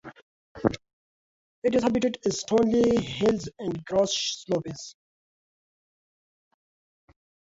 Its habitat is stony hills and grassy slopes.